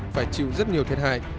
phải chịu rất nhiều thiệt hại